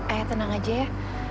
ayah tenang aja ya